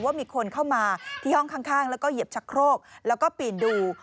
ว่ามีคนเข้ามาที่ห้องข้างแล้วก็เหยียบชะโครกแล้วก็ปีนดู